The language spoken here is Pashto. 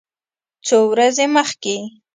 څو ورځې مخکې